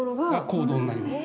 坑道になります。